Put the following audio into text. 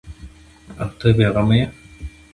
او ته بې غمه یې ؟